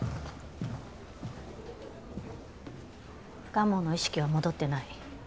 蒲生の意識は戻ってない。